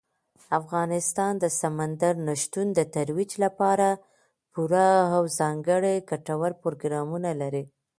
افغانستان د سمندر نه شتون د ترویج لپاره پوره او ځانګړي ګټور پروګرامونه لري.